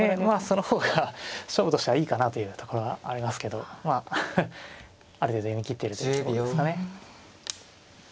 その方が勝負としてはいいかなというところはありますけどまあある程度読み切ってるってところですかね。